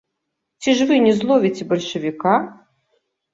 Ці ж вы не зловіце бальшавіка?